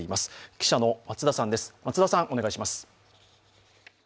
記者の松田さんです。